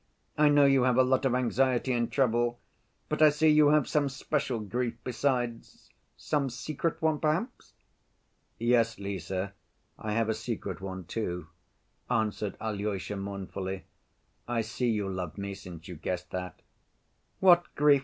I know you have a lot of anxiety and trouble, but I see you have some special grief besides, some secret one, perhaps?" "Yes, Lise, I have a secret one, too," answered Alyosha mournfully. "I see you love me, since you guessed that." "What grief?